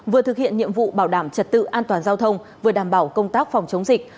vừa thực hiện nhiệm vụ bảo đảm trật tự an toàn giao thông vừa đảm bảo công tác phòng chống dịch